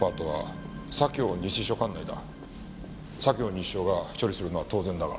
西署が処理するのは当然だが。